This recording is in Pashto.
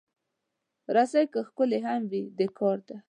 رسۍ که ښکلې هم وي، د کار ده.